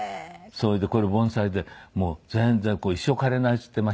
それでこれ盆栽で全然これ一生枯れないって言っていました。